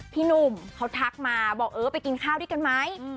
พี่หนุ่มเขาทักมาบอกเออไปกินข้าวด้วยกันไหม